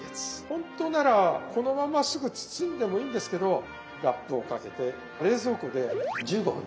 ほんとならこのまますぐ包んでもいいんですけどラップをかけて冷蔵庫で１５分。